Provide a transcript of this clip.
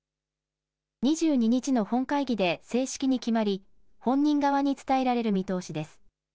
２２日の本会議で正式に決まり、本人側に伝えられる見通しです。